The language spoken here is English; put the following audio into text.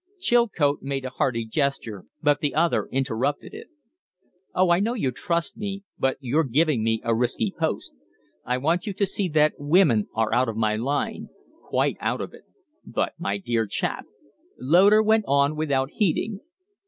Chilcote made a hasty gesture, but the other interrupted it. "Oh, I know you trust me. But you're giving me a risky post. I want you to see that women are out of my line quite out of it." "But, my dear chap " Loder went on without heeding.